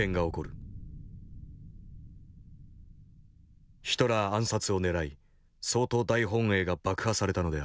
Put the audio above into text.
ヒトラー暗殺をねらい総統大本営が爆破されたのである。